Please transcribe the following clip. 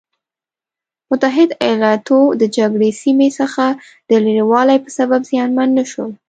متحده ایلاتو د جګړې سیمې څخه د لرې والي په سبب زیانمن نه شول.